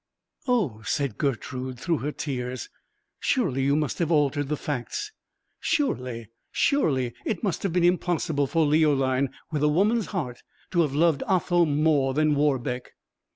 "Oh!" said Gertrude, through her tears; "surely you must have altered the facts, surely surely it must have been impossible for Leoline, with a woman's heart, to have loved Otho more than Warbeck?"